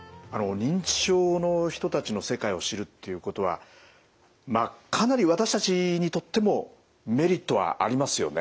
認知症の人たちの世界を知るっていうことはまあかなり私たちにとってもメリットはありますよね？